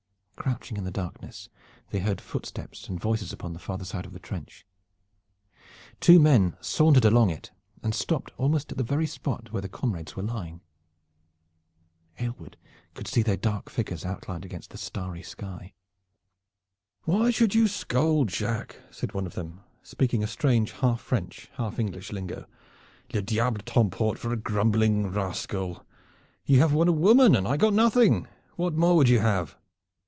Crouching in the darkness, they heard footsteps and voices upon the farther side of the trench. Two men sauntered along it and stopped almost at the very spot where the comrades were lying. Aylward could see their dark figures outlined against the starry sky. "Why should you scold, Jacques," said one of them, speaking a strange half French, half English lingo. "Le diable t'emporte for a grumbling rascal. You won a woman and I got nothing. What more would you have?"